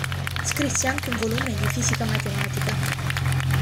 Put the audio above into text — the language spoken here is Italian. Scrisse anche un volume di Fisica matematica.